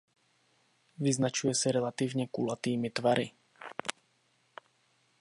Vyznačuje se relativně kulatými tvary.